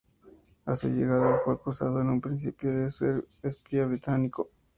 A su llegada, fue acusado en un principio de ser un espía británico.